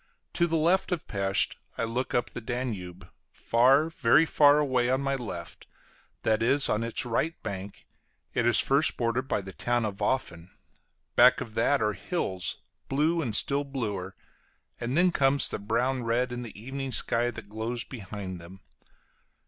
To the left of Pesth I look up the Danube; far, very far away on my left, that is, on its right bank, it is first bordered by the town of Ofen; back of that are hills, blue and still bluer, and then comes the brown red in the evening sky that glows behind them.